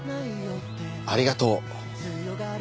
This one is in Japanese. ありがとう。